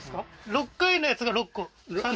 ６回のやつが６個？